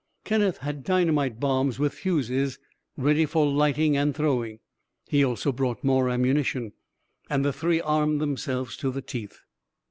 Kenneth had dynamite bombs with fuses ready for lighting and throwing. He also brought more ammunition, and the three armed themselves to the teeth.